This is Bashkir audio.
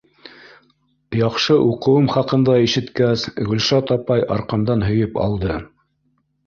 Яҡшы уҡыуым хаҡында ишеткәс, Гөлшат апай арҡамдан һөйөп алды.